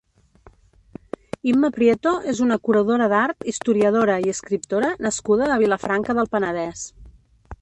Imma Prieto és una curadora d'art, historiadora i escriptora nascuda a Vilafranca del Penedès.